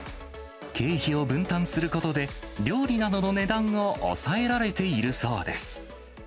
経費を分担することで、料理などの値段を抑えられているそうです。